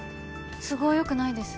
都合良くないです。